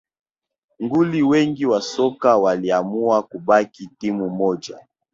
Nguli wengi wa soka waliamua kubaki timu moja